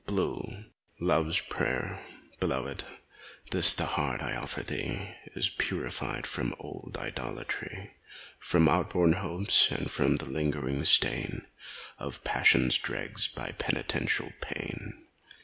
132 LOVE'S PRAYER Beloved, this the heart I offer thee Is purified from old idolatry, From outworn hopes, and from the lingering stain Of passion's dregs, by penitential pain.